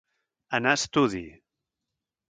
Anar a estudi.